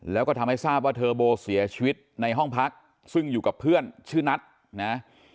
แล้วก็ทำให้ทราบว่าเทอร์โบเสียชีวิตในห้องพักซึ่งอยู่กับเพื่อนชื่อนัทนะ